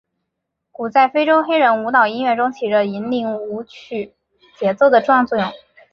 鼓在非洲黑人舞蹈音乐中起着引领舞曲节奏的重要作用。